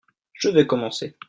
je vais commencer.